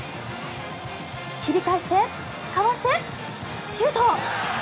切り返して、かわしてシュート！